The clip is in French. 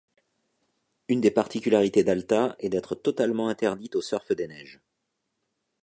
Une des particularités d'Alta est d'être totalement interdite au surf des neiges.